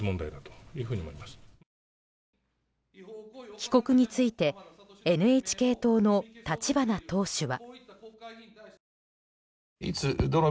帰国についてＮＨＫ党の立花党首は。